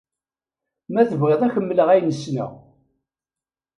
Ma tebɣiḍ ad ak-mmleɣ ayen ssneɣ.